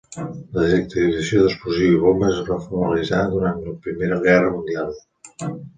La desactivació d'explosius i bombes es va formalitzar durant la Primera Guerra Mundial.